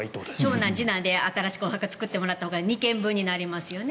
長男次男で新しくお墓作ってもらったほうが２件分になりますね。